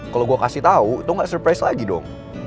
kalo gue kasih tau lo gak surprise lagi dong